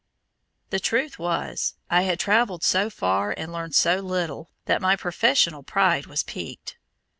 The truth was, I had travelled so far and learned so little, that my professional pride was piqued.